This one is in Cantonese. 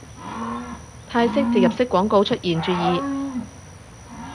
泰式植入式廣告出現注意